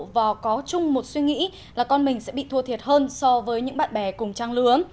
và có chung một suy nghĩ là con mình sẽ bị thua thiệt hơn so với những bạn bè cùng trang lứa